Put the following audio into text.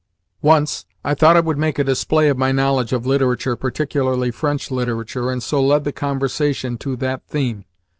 Once, I thought I would make a display of my knowledge of literature, particularly French literature, and so led the conversation to that theme.